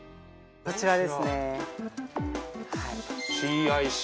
こちらですね